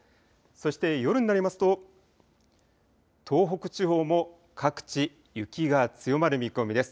そして夜になりますと、東北地方も各地、雪が強まる見込みです。